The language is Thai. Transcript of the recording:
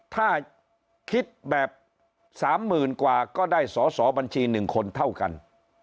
ถ้าคิดแบบ๓๐กว่าก็ได้สอบนชี๑๐๑คนเท่ากัน